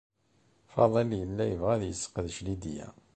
Faḍil yella yebɣa ad yesseqdec Layla.